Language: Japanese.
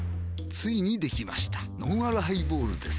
ついにできましたのんあるハイボールです